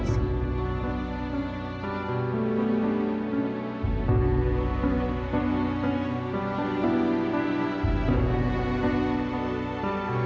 karena ratu sangat mencintai rama pa